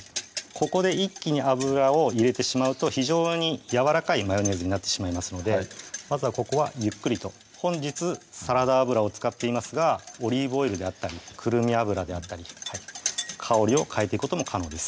ここで一気に油を入れてしまうと非常にやわらかいマヨネーズになってしまいますのでまずはここはゆっくりと本日サラダ油を使っていますがオリーブオイルであったりクルミ油であったり香りを変えていくことも可能です